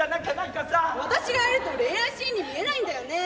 私がやると恋愛シーンに見えないんだよね。